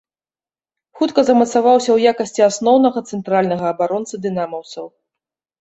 Хутка замацаваўся ў якасці асноўнага цэнтральнага абаронцы дынамаўцаў.